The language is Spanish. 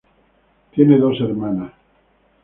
Él tiene dos hermanas.